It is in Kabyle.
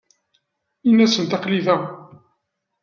Ini-asent aql-i da.